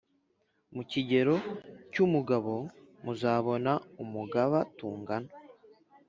Mu kigero cy’umugabo muzabona umugaba tungana